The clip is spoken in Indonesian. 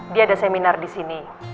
dia ada seminar di sini